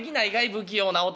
不器用な男だ」。